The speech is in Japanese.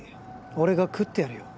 俺が喰ってやるよ